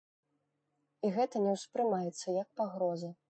І гэта не ўспрымаецца як пагроза.